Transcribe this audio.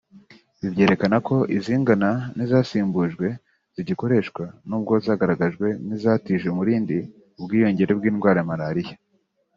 Ibi byerekana ko izingana n’izasimbujwe zigikoreshwa nubwo zagaragajwe nk’izatije umurindi ubwiyongere bw’indwara ya malaria